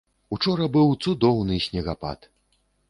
Учора быў цудоўны снегапад!